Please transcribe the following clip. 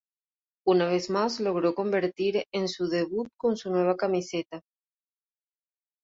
Una vez más logró convertir en su debut con su nueva camiseta.